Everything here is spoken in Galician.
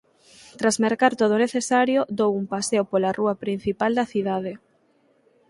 Tras mercar todo o necesario, dou un paseo pola rúa principal da cidade.